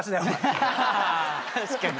確かに。